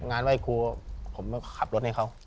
ไหว้ครูผมขับรถให้เขา